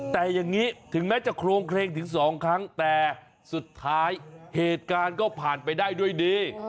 แต่อย่างนี้ถึงแม้จะโครงเคลงถึง๒ครั้งแต่สุดท้ายเหตุการณ์ก็ผ่านไปได้ด้วยดี